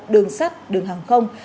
đường sắt đường hàng không